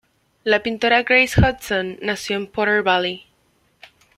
La pintora Grace Hudson nació en Potter Valley.